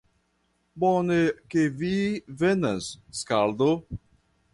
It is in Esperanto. Bone ke vi venas, skaldo!